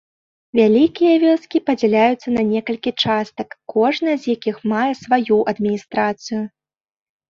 Вялікія вёскі падзяляюцца не некалькі частак, кожная з якіх мае сваю адміністрацыю.